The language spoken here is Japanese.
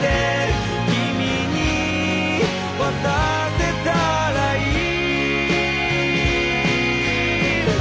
「君に渡せたらいい」